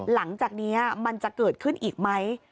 หลังจากนี้มันจะเกิดขึ้นอีกไหม